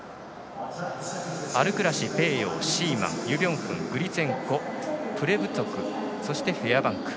アルクラシ、ペーヨーシーマンユ・ビョンフン、グリツェンコプレブツォグそしてフェアバンク。